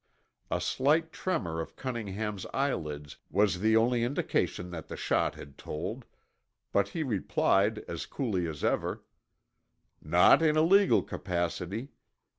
A slight tremor of Cunningham's eyelids was the only indication that the shot had told, but he replied as coolly as ever, "Not in a legal capacity.